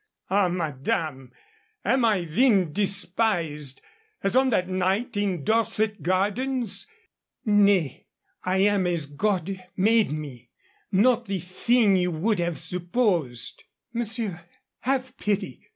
"Ah, madame, am I then despised, as on that night in Dorset Gardens? Nay, I am as God made me not the thing you would have supposed " "Monsieur, have pity."